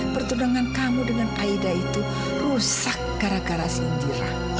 pertunangan kamu dengan aida itu rusak gara gara si indira